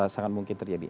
sangat mungkin terjadi